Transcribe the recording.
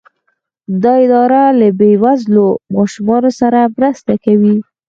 دا اداره له بې وزلو ماشومانو سره مرسته کوي.